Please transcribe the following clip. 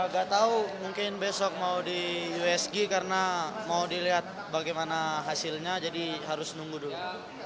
gak tau mungkin besok mau di usg karena mau dilihat bagaimana hasilnya jadi harus nunggu dulu